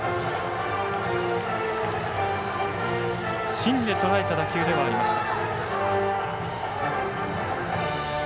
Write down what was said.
芯でとらえた打球ではありました。